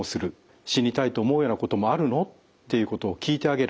「死にたいと思うようなこともあるの？」っていうことを聞いてあげる。